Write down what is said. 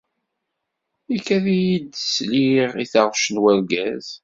Ikad-iyi-d sliɣ i taɣect n wergaz.